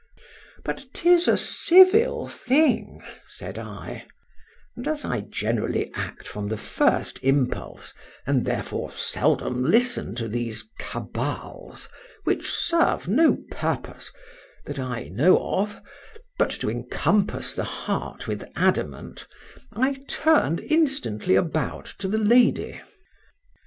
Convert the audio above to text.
But 'tis a civil thing, said I;—and as I generally act from the first impulse, and therefore seldom listen to these cabals, which serve no purpose, that I know of, but to encompass the heart with adamant—I turned instantly about to the lady.